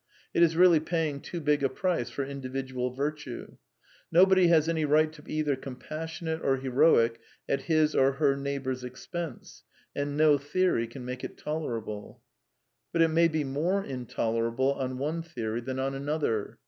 ; It is really paying too big a price for individual virtue. J Nobody has any right to be either compassionate or heroic i at his or her neighbour's expense. And no theory can | make it tolerable. But it may be more intolerable on one theory than on another.